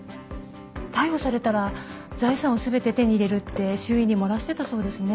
逮捕されたら財産を全て手に入れるって周囲に漏らしてたそうですね。